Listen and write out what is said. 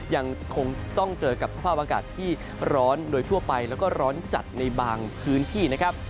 ยังคงต้องเจอกับสภาพอากาศที่ร้อนโดยทั่วไปแล้วก็ร้อนจัดในบางพื้นที่นะครับ